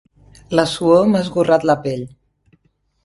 La suor m'ha esgorrat la pell.